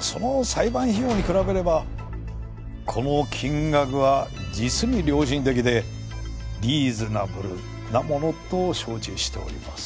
その裁判費用に比べればこの金額は実に良心的でリーズナブルなものと承知しております。